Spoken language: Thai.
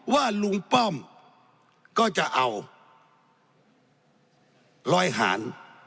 ว่าลุงป้อมก็จะเอารอยหาร